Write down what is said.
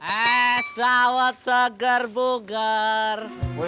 es dawet segar bugar